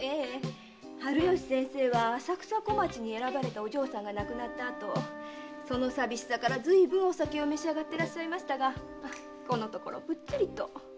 春芳先生は浅草小町に選ばれたお嬢さんが亡くなったあとその寂しさからずいぶんお酒を召しあがっておられましたがこのところプッツリと。